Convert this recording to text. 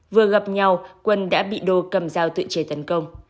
vừa gặp nhau quân đã bị đô cầm dao tự chế tấn công